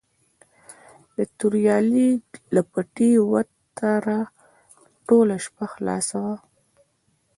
د توریالي د پټي وتره ټوله شپه خلاصه وه.